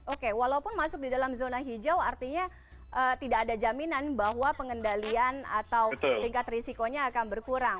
oke walaupun masuk di dalam zona hijau artinya tidak ada jaminan bahwa pengendalian atau tingkat risikonya akan berkurang